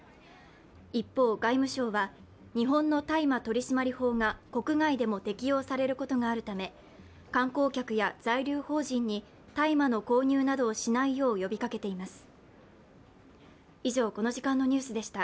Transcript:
一方、外務省は日本の大麻取締法が国外でも適用されることがあるため、観光客や在留邦人に大麻の購入などをしないよう呼びかけています。